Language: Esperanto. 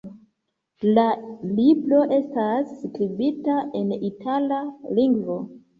La libro estas skribita en itala lingvo.